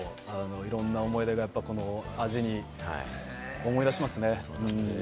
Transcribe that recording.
いろんな思い出をこの味で思い出しますね。